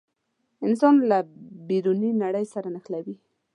انسان له بیروني نړۍ سره نښلوي.